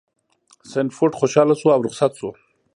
سنډفورډ خوشحاله شو او رخصت شو.